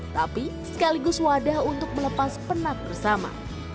tapi sekaligus wadah untuk melepas penat bersama